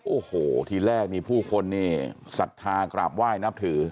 โอ้โหทีแรกนี่ผู้คนนี่ศรัทธากราบไหว้นับถือ